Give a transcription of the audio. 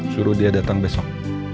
suruh dia datang besok